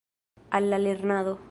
Al la lernado!